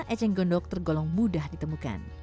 eceng gondok tergolong mudah ditemukan